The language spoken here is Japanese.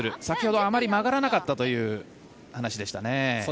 先ほどあまり曲がらなかったという話でしたね。